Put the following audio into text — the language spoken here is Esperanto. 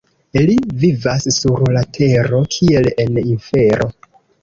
Li vivas sur la tero kiel en infero.